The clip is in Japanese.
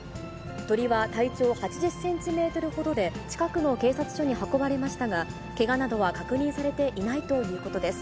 鳥は体長８０センチメートルほどで、近くの警察署に運ばれましたが、けがなどは確認されていないということです。